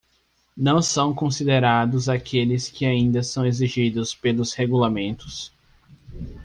Não são considerados aqueles que ainda são exigidos pelos regulamentos.